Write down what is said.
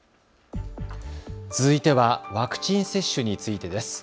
続いてはワクチン接種についてです。